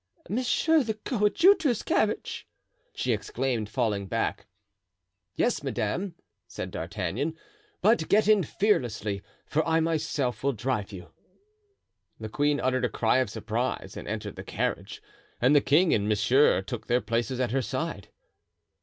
"Monsieur the coadjutor's carriage!" she exclaimed, falling back. "Yes, madame," said D'Artagnan; "but get in fearlessly, for I myself will drive you." The queen uttered a cry of surprise and entered the carriage, and the king and monsieur took their places at her side.